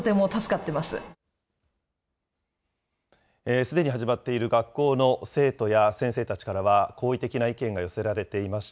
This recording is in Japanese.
すでに始まっている学校の生徒や先生たちからは、好意的な意見が寄せられていました。